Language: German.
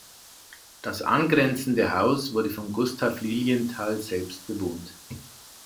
Das angrenzende Haus wurde von Gustav Lilienthal selbst bewohnt.